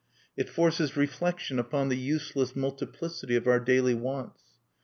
It forces reflection upon the useless multiplicity of our daily wants.